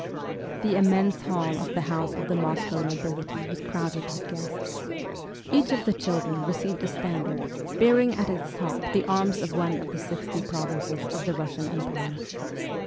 The immense hall of the House of the Moscow no bility was crowded with guests. Each of the children received a standard bearing at its top the arms of one of the sixty provinces of the Russian Empire.